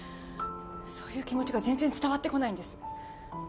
そういう気持ちが全然伝わってこないんです。